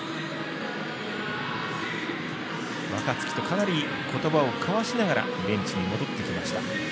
若月とかなり言葉を交わしながらベンチに戻ってきました。